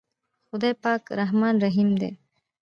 خداے پاک رحمان رحيم دے۔